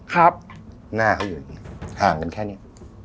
หน้าเขาอยู่นี่ห่างกันแค่นี้